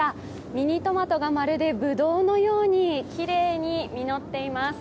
ミニトマトがまるでぶどうのように、きれいに実っています。